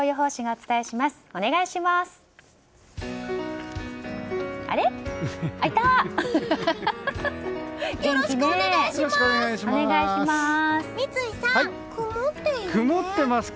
お願いします。